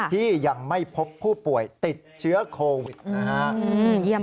ที่ยังไม่พบผู้ป่วยติดเชื้อโควิดนะฮะ